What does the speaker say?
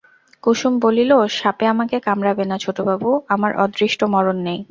কুসুম বলিল, সাপে আমাকে কামড়াবে না ছোটবাবু, আমার অদৃষ্ট মরণ নেই।